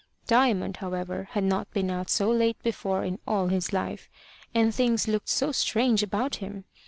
Diamond, however, had not been out so late before in all his life, and things looked so strange about him!